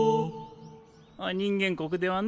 人間国ではね